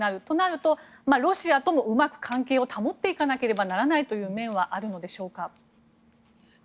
そうなるとロシアともうまく関係を保っていかなければならないという面はあるのでしょうか。